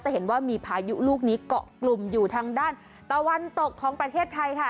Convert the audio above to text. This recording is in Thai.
เห็นว่ามีพายุลูกนี้เกาะกลุ่มอยู่ทางด้านตะวันตกของประเทศไทยค่ะ